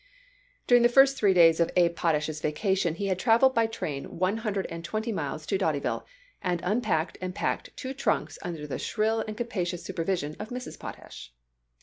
During the first three days of Abe Potash's vacation he had traveled by local train one hundred and twenty miles to Dotyville, and unpacked and packed two trunks under the shrill and captious supervision of Mrs. Potash.